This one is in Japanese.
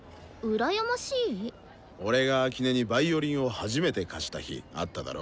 俺が秋音にヴァイオリンを初めて貸した日あっただろ？